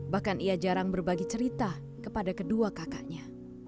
bahkan ia jarang berbagi cerita kepada kedua kakaknya